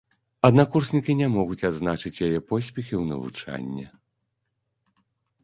Аднакурснікі не могуць адзначыць яе поспехі ў навучанні.